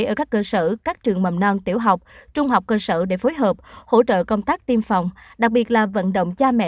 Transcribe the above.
ở các cơ sở các trường mầm non tiểu học trung học cơ sở để phối hợp hỗ trợ công tác tiêm phòng